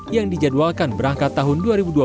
yang dijadwalkan berangkat tahun dua ribu dua puluh